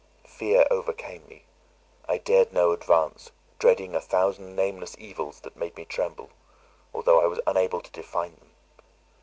Fear overcame me; I dared no advance, dreading a thousand nameless evils that made me tremble, although I was unable to define them.